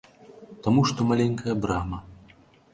Таму што маленькая брама!